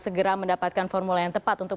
segera mendapatkan formula yang tepat untuk